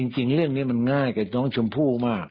จริงเรื่องนี้มันง่ายกับน้องชมพู่มาก